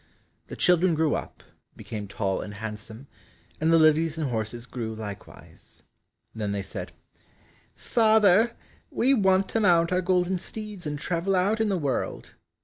The children grew up, became tall and handsome, and the lilies and horses grew likewise. Then they said, "Father, we want to mount our golden steeds and travel out in the world."